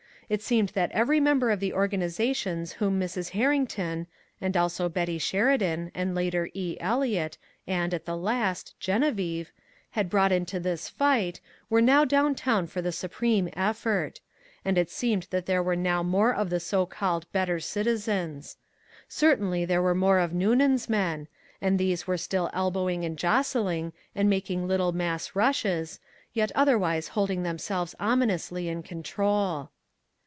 It seemed that every member of the organizations whom Mrs. Herrington (and also Betty Sheridan, and later E. Eliot, and, at the last, Geneviève) had brought into this fight, were now downtown for the supreme effort. And it seemed that there were now more of the so called "better citizens." Certainly there were more of Noonan's men, and these were still elbowing and jostling, and making little mass rushes yet otherwise holding themselves ominously in control.